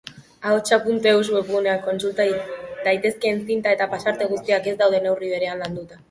Ahotsak.eus webgunean kontsulta daitezkeen zinta eta pasarte guztiak ez daude neurri berean landuta.